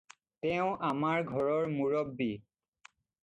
তেওঁ আমাৰ ঘৰৰ মুৰব্বী।